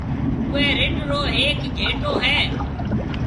اُوئي رڍ رو هيڪ گھيَََٽو هيَ۔